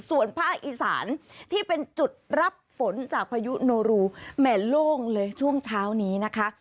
ส่วนภาคอีสานที่เป็นจุดรับฝนจากพายุโนรูแหม่โล่งเลยช่วงเช้านี้นะคะ